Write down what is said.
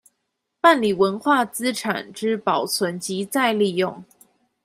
辦理文化資產之保存及再利用